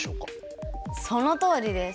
そのとおりです。